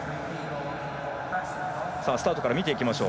スタートから見ていきましょう。